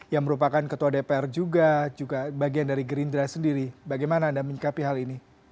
yang merupakan ketua dpr juga juga bagian dari gerindra sendiri bagaimana anda menyikapi hal ini